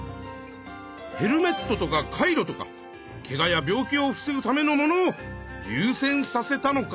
ヘルメットとかカイロとかけがや病気を防ぐためのものをゆう先させたのか。